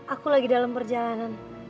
aku lagi dalam perjalanan